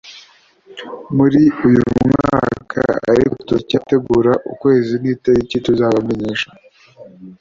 muri uyu mwaka ariko turacyategura ukwezi n’itariki tuzabamenyesha »